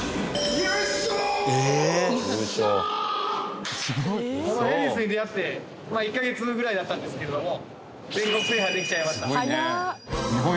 ヘディスに出会って１カ月ぐらいだったんですけれども全国制覇できちゃいました。